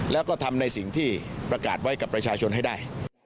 แล้วก็ทำในสิ่งที่ประกาศไว้กับประชาชนให้ได้